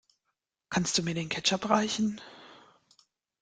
Kannst du mir den Ketchup reichen?